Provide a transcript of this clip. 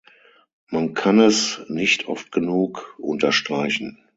Man kann es nicht oft genug unterstreichen.